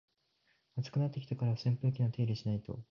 暑くなってきたから扇風機の手入れしないと